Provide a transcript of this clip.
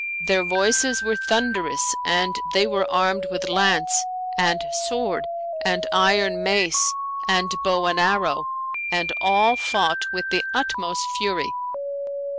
Their voices were thunderous and they were armed with lance and sword and iron mace and bow and arrow, and all fought with the utmost fury.